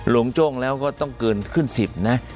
ลงโจ้งแล้วก็ต้องเกินขึ้น๑๐นะ